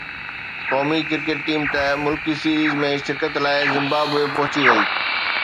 قومي cricket team ٽه ملڪي سيريز ۾ شرڪت لاءِ زمبابوي پهچي وئي